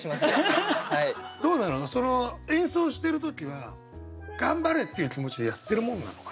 演奏してる時は「頑張れ！」っていう気持ちでやってるもんなのかね？